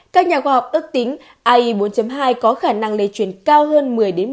các nhà khoa học ước tính ai bốn hai có khả năng lây truyền cao hơn một mươi một mươi